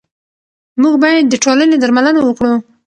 موږ باید د ټولنې درملنه وکړو.